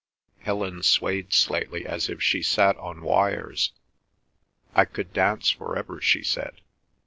Helen swayed slightly as if she sat on wires. "I could dance for ever!" she said.